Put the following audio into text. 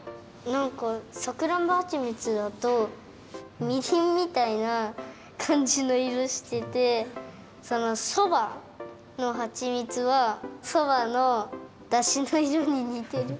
なんかさくらんぼはちみつだとみりんみたいなかんじのいろしててそばのはちみつはそばのだしのいろににてる。